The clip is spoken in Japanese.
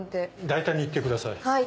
大胆にいってください。